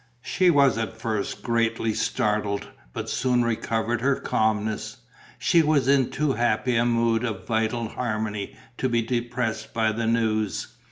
She was at first greatly startled, but soon recovered her calmness. She was in too happy a mood of vital harmony to be depressed by the news.